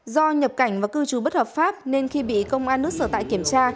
do nhập cảnh và cư trú bất hợp pháp nên khi bị công an nước sở tại kiểm tra